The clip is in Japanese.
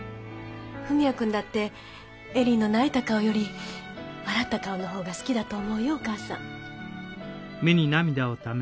文也君だって恵里の泣いた顔より笑った顔の方が好きだと思うよお母さん。